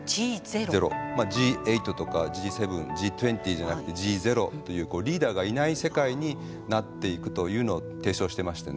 Ｇ８とかＧ７Ｇ２０じゃなくてＧゼロというリーダーがいない世界になっていくというのを提唱してましてね。